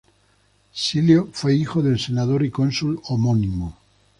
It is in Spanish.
Silio fue hijo del senador y cónsul homónimo.